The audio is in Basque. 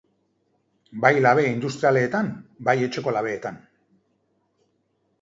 Bai labe industrialetan bai etxeko labeetan.